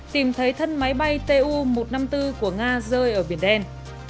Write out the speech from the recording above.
tìm thấy thân máy bay tu một trăm năm mươi bốn của nga rơi ở biển đen